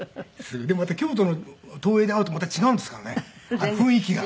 でもまた京都の東映で会うとまた違うんですからね雰囲気が。